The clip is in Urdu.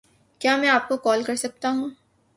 کیا میں آپ کو کال کر سکتا ہوں